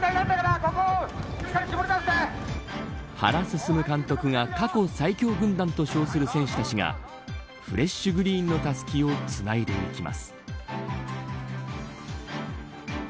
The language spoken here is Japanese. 原晋監督が過去最強軍団と称する選手たちがフレッシュグリーンのたすきをつないでいきます。